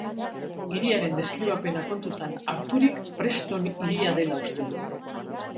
Hiriaren deskribapena kontutan harturik, Preston hiria dela uste da.